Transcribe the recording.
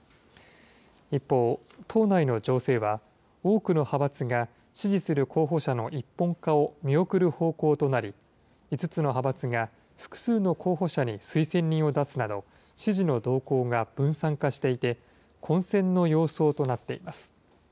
一方、党内の情勢は、多くの派閥が支持する候補者の一本化を見送る方向となり、５つの派閥が複数の候補者に推薦人を出すなど、支持の動向が分散化していて、混戦の様相となっています。